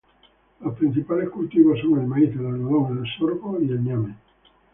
Los principales cultivos son el maíz, el algodón, el sorgo y el ñame.